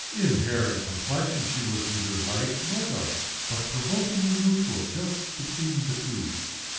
In hair and complexion she was neither light nor dark, but provokingly neutral just between the two.